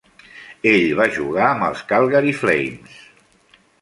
Ell va jugar amb els Calgary Flames.